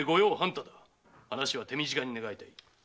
話は手短に願いたい。